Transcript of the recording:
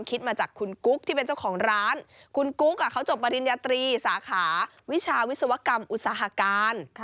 เขาจบปริญญาตรีสาขาวิชาวิศวกรรมอุตสาหการ